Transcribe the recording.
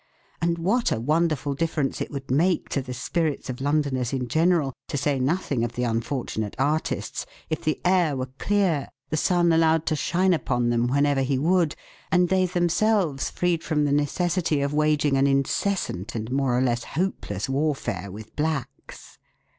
And what a wonderful difference it would make to the spirits of Londoners in general, to say nothing of the unfortunate artists, if the air were clear, the sun allowed to shine upon them when ever he would, and they themselves freed from the necessity of waging an incessant and more or less hopeless warfare with " blacks